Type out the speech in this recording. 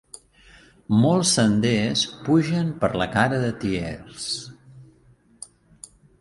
Molts senders pugen per la cara de Tiers.